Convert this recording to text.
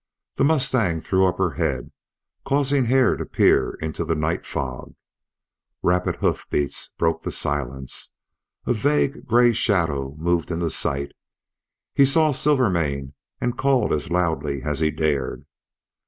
The mustang threw up her head, causing Hare to peer into the night fog. Rapid hoof beats broke the silence, a vague gray shadow moved into sight. He saw Silvermane and called as loudly as he dared.